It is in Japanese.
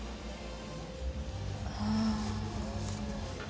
ああ。